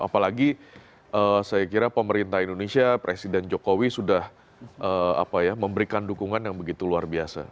apalagi saya kira pemerintah indonesia presiden jokowi sudah memberikan dukungan yang begitu luar biasa